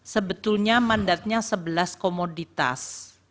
sebetulnya mandatnya sebelas komoditas